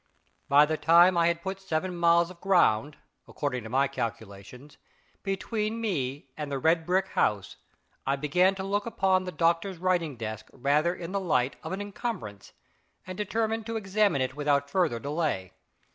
By the time I had put seven miles of ground, according to my calculations, between me and the red brick house, I began to look upon the doctor's writing desk rather in the light of an incumbrance, and determined to examine it without further delay.